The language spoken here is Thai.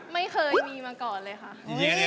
ไม่เคยมีมาก่อนเลยค่ะ